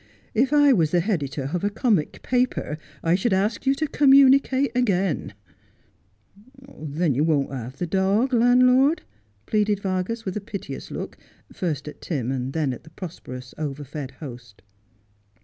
' If I was the heditor of a comic paper I should ask you to communicate again !'' Then you won'thavethedawg, landlord ?'pleaded Vargas, with a piteous look, first at Tim, and then at the prosperous over fed host.